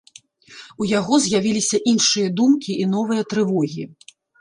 У яго з'явіліся іншыя думкі і новыя трывогі.